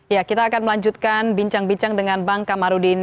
ya kita akan melanjutkan bincang bincang dengan bang kamarudin